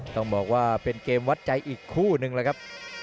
ต้องบอกว่าเป็นเกมวัดใจอีกคู่หนึ่งแล้วครับ